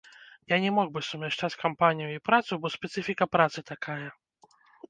Я не мог бы сумяшчаць кампанію і працу, бо спецыфіка працы такая.